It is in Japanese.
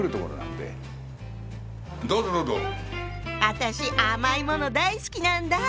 私甘いもの大好きなんだ。